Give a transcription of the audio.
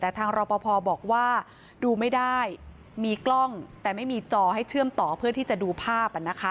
แต่ทางรอปภบอกว่าดูไม่ได้มีกล้องแต่ไม่มีจอให้เชื่อมต่อเพื่อที่จะดูภาพ